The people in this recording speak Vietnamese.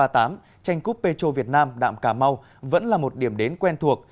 tranh cúp petro việt nam đạm cà mau vẫn là một điểm đến quen thuộc